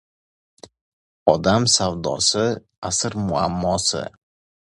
Odam savdosi – asr muammosi